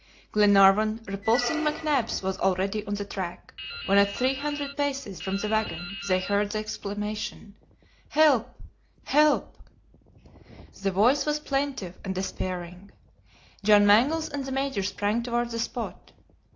Glenarvan, repulsing McNabbs, was already on the track, when at three hundred paces from the wagon they heard the exclamation: "Help! help!" The voice was plaintive and despairing. John Mangles and the Major sprang toward the spot.